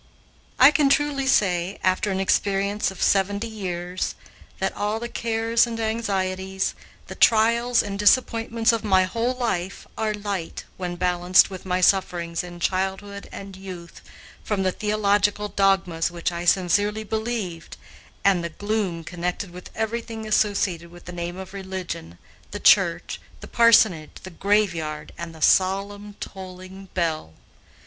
I can truly say, after an experience of seventy years, that all the cares and anxieties, the trials and disappointments of my whole life, are light, when balanced with my sufferings in childhood and youth from the theological dogmas which I sincerely believed, and the gloom connected with everything associated with the name of religion, the church, the parsonage, the graveyard, and the solemn, tolling bell.